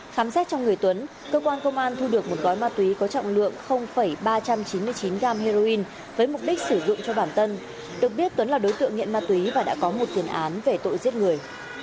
khám xét trong người tuấn cơ quan công an thu được một gói ma túy có trọng lượng ba trăm chín mươi chín gram heroin với mục đích sử dụng cho bản tân được biết tuấn là đối tượng nghiện ma túy và đã có một tiền án về tội giết người